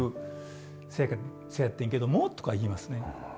「そうやってんけども」とか言いますね。